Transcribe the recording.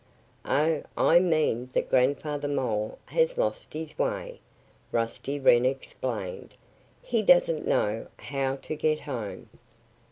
"Oh, I mean that Grandfather Mole has lost his way," Rusty Wren explained. "He doesn't know how to get home."